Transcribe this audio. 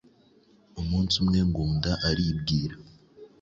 Umunsi umwe Ngunda aribwira,